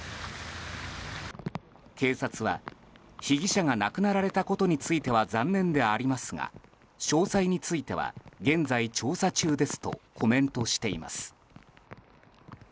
警察は被疑者が亡くなられたことについては残念でありますが詳細については現在、調査中ですとコメントしています。